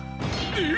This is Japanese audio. えっ！？